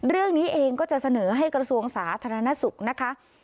เรื่องนี้เองก็จะเสนอให้กระทรวงสาธารณสุขนะคะ